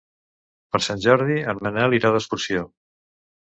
Per Sant Jordi en Manel irà d'excursió.